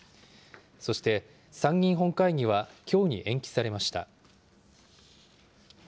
そして参議院本会議はきょうに延期されました。